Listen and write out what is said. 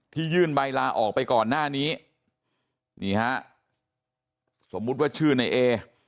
ยื่นใบลาออกไปก่อนหน้านี้นี่ฮะสมมุติว่าชื่อในเอ